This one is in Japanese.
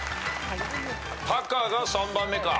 タカが３番目か。